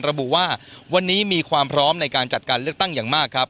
ระบุว่าวันนี้มีความพร้อมในการจัดการเลือกตั้งอย่างมากครับ